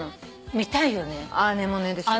見たいよね？